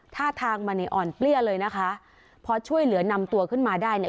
ท่าทางมันเนี่ยอ่อนเปรี้ยเลยนะคะพอช่วยเหลือนำตัวขึ้นมาได้เนี่ย